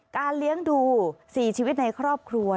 เลี้ยงดู๔ชีวิตในครอบครัว